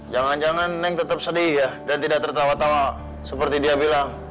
jangan jangan neng tetap sedih ya dan tidak tertawa tawa seperti dia bilang